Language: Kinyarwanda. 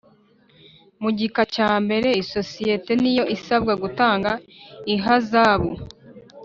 Mu gika cya mbere isosiyete niyo isabwa gutanga ihazabu